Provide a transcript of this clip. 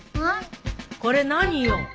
これ何よ？